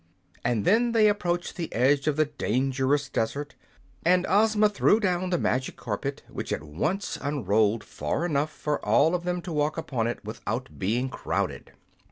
And then they approached the edge of the dangerous desert, and Ozma threw down the magic carpet, which at once unrolled far enough for all of them to walk upon it without being crowded.